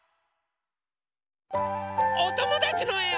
おともだちのえを。